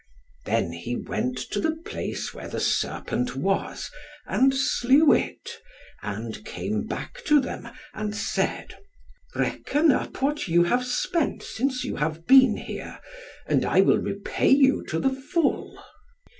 Then he went to the place where the serpent was, and slew it, and came back to them, and said, "Reckon up what you have spent since you have been here, and I will repay you to the full."